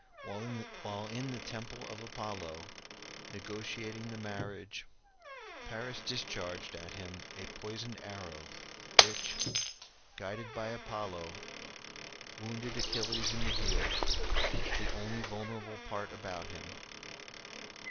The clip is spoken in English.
While in the temple of Apollo, negotiating the marriage, Paris discharged at him a poisoned arrow, which, guided by Apollo, wounded Achilles in the heel, the only vulnerable part about him.